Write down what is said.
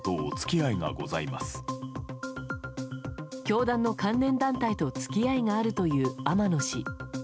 教団の関連団体と付き合いがあるという天野氏。